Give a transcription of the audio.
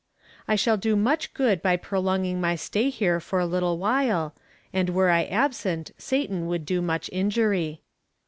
" I shall do much good by prolonging my stay here for a little while, and were I absent, Satan would do much injury.''